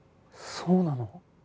そうなの？